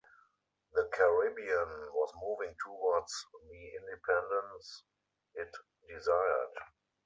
The Caribbean was moving towards the independence it desired.